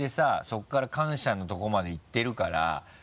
そこから感謝のところまでいってるから。